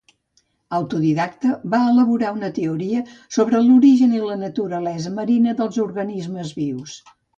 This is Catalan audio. Autodidacta, va elaborar una teoria sobre l'origen i la naturalesa marina dels organismes vius.